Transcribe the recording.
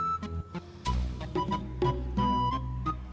pertahankan pernikahan kamu